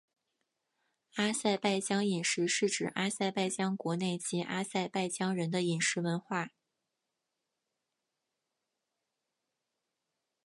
阿塞拜疆饮食是指阿塞拜疆国内及阿塞拜疆人的饮食文化。